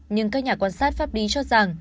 nhưng các nhà quan sát pháp lý cho rằng